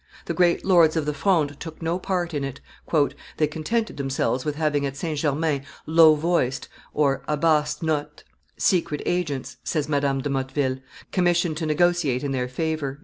the great lords of the Fronde took no part in it; "they contented themselves with having at St. Germain low voiced (a basses notes) secret agents," says Madame de Motteville, "commissioned to negotiate in their favor."